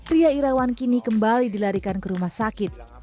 ria irawan kini kembali dilarikan ke rumah sakit